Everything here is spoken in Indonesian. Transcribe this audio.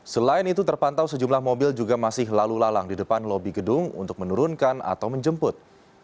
selain itu terpantau sejumlah mobil juga masih lalu lalang di depan lobi gedung untuk menurunkan atau menjemput